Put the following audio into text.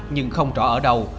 nhưng không rõ ở đâu